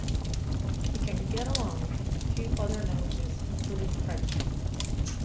He can "get along" in a few other languages, including French.